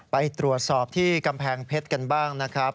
ไปตรวจสอบที่กำแพงเพชรกันบ้างนะครับ